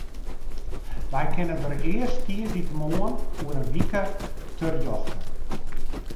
Wy kinne dêr earst tiisdeitemoarn oer in wike terjochte.